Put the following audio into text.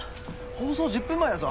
放送１０分前だぞ。